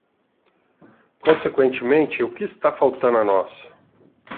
Consequentemente, o que está faltando a nós?